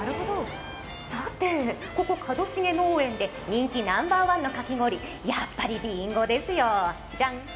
さて、ここ、かどしげ農園で人気ナンバーワンのかき氷やっぱりりんごですよ、ジャン！